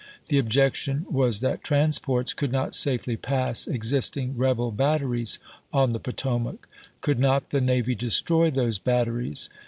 The objection was that transports could not safely pass existing rebel batteries on the Potomac. Could not the navy destroy those batteries